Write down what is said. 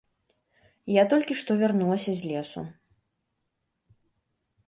Я толькі што вярнулася з лесу.